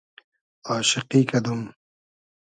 آشیقی کئدوم